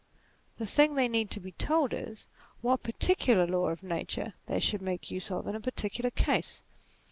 The thing they need to be told is, what particular law of nature they should make use of in a particular case.